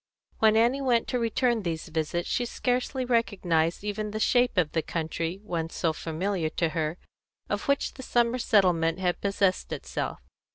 When Annie went to return these visits she scarcely recognised even the shape of the country, once so familiar to her, of which the summer settlement had possessed itself.